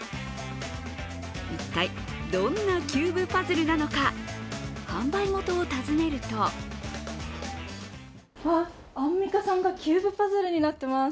一体、どんなキューブパズルなのか販売元を訪ねるとアンミカさんがキューブパズルになっています。